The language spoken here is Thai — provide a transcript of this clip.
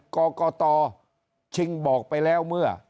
กรกตชิงบอกไปแล้วเมื่อ